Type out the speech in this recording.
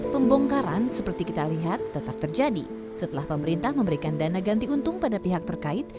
pembongkaran seperti kita lihat tetap terjadi setelah pemerintah memberikan dana ganti untung pada pihak terkait